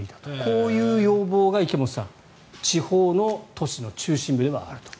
こういう要望が池本さん地方の都市の中心部ではあると。